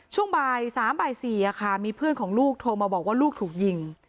ช่วงบ่าย๓บ่าย๔มีเพื่อนของลูกโทรมาบอกว่าลูกถูกยิง